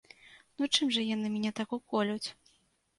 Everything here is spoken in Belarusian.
Ну чым жа яны мяне так уколюць?